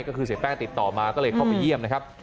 ก็คือเสียแป้งติดต่อมาก็เลยเข้าไปเยี่ยมนะครับ